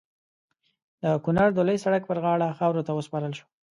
د کونړ د لوی سړک پر غاړه خاورو ته وسپارل شو.